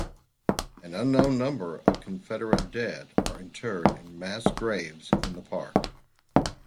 An unknown number of Confederate dead are interred in mass graves in the park.